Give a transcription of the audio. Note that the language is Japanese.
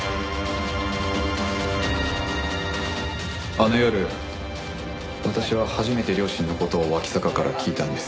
あの夜私は初めて両親の事を脇坂から聞いたんです。